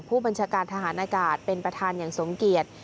ผู้บัญชาการทหารอากาศเป็นประธานอย่างสมเกียจ